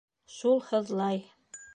Шул һыҙлай.